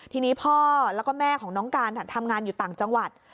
ทีนี้พ่อแล้วก็แม่ของน้องการทำงานอยู่ต่างจังหวัด